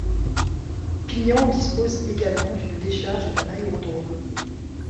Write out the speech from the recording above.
Pignan dispose également d'une décharge et d'un aérodrome.